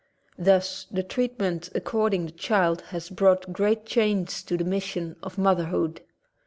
Thus the treatment ac corded the child has brought great change to the mission of motherhood.